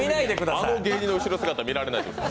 あの芸人の後ろ姿は見られないですから。